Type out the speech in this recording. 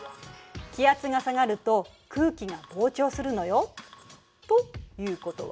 気圧が下がると空気が膨張するのよ。ということは？